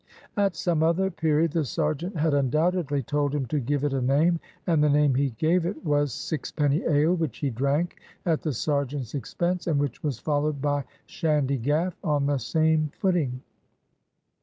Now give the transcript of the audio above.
At some other period the sergeant had undoubtedly told him to "give it a name," and the name he gave it was sixpenny ale, which he drank at the sergeant's expense, and which was followed by shandy gaff, on the same footing.